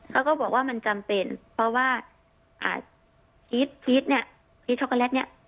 เขาก็บอกว่ามันจำเป็นเพราะว่าพีชพีชเนี่ยพีช็อกโกแลตเนี่ย